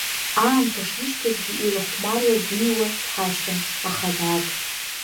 Аамҭа шишьҭазгьы илахәмаруа дыҩуа дҳашьҭан, аха дааг!